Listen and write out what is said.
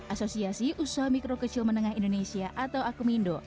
asosiasi usaha mikro kecil menengah indonesia atau akumindo